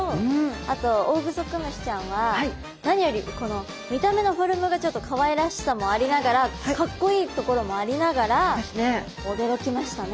あとオオグソクムシちゃんは何よりこの見た目のフォルムがちょっとかわいらしさもありながらかっこいいところもありながら驚きましたね。